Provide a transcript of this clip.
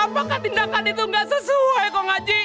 apakah tindakan itu gak sesuai kong aji